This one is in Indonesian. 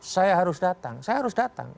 saya harus datang saya harus datang